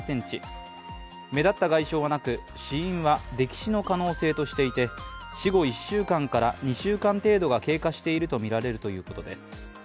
目立った外傷はなく、死因は溺死の可能性としていて死後１週間から２週間程度が経過しているとみられるということです。